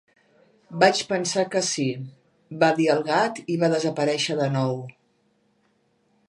"Vaig pensar que sí", va dir el gat i va desaparèixer de nou.